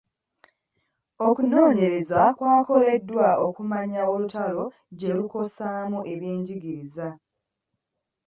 Okunoonyereza kwakoleddwa okumanya olutalo gye lukosaamu ebyenjigiriza.